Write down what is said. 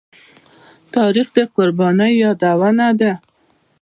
تاریخ د قربانيو يادونه ده.